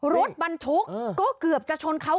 รถบรรทุกก็เกือบจะชนเขา